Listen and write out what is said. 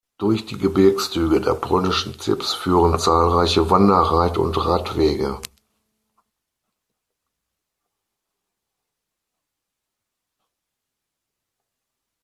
Durch die Gebirgszüge der Polnischen Zips führen zahlreiche Wander-, Reit- und Radwege.